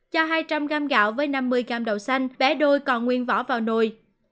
cho hai trăm linh g gạo với năm mươi g đậu xanh bé đôi còn nguyên vỏ vào nồi